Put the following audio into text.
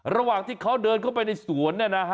ระหว่างที่เขาเดินเข้าไปในสวน